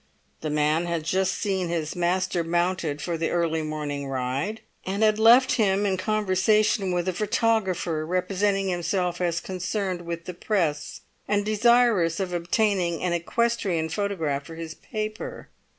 The man had just seen his master mounted for the early morning ride, and had left him in conversation with a photographer representing himself as concerned with the press, and desirous of obtaining an equestrian photograph for his paper.